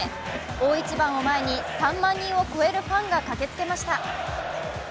大一番を前に３万人を超えるファンが駆けつけました。